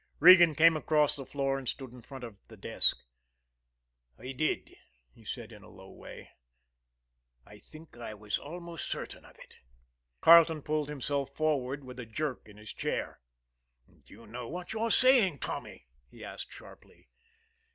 Regan came across the floor and stood in front of the desk. "I did," he said in a low way. "I think I was almost certain of it." Carleton pulled himself forward with a jerk in his chair. "Do you know what you are saying, Tommy?" he asked sharply.